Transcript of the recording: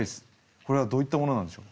これはどういったものなんでしょう？